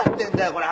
これ。